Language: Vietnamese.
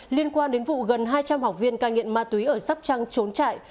liên quan đến vụ gần hai trăm linh học viên ca nghiện ma túy ở sắp trăng trốn trại